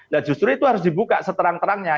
nah justru itu harus dibuka seterang terangnya